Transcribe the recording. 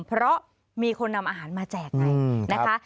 เพราะมีคนนำอาหารมาแจกไงนะคะ